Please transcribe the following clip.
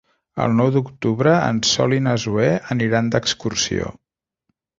El nou d'octubre en Sol i na Zoè aniran d'excursió.